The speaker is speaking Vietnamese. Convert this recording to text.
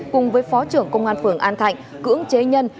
cùng với phó trưởng công an phường an thạnh cưỡng chế nhân